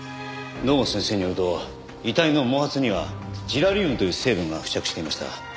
堂本先生によると遺体の毛髪にはジラリウムという成分が付着していました。